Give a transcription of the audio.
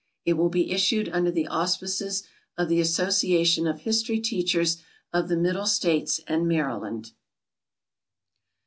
It will be issued under the auspices of the Association of History Teachers of the Middle States and Maryland.